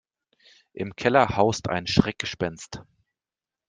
Im Keller haust ein Schreckgespenst.